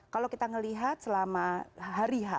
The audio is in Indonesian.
kalau kita melihat selama hari h